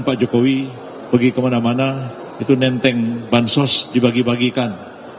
pak jokowi pergi kemana mana itu nenteng bansos dibagi bagikan